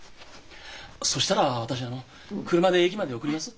そしたら私あの車で駅まで送ります。